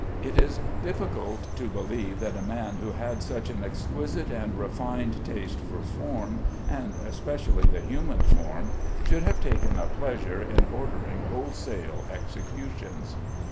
It is difficult to believe that a man who had such an exquisite and refined taste for form (and especially the human form) should have taken a pleasure in ordering wholesale executions.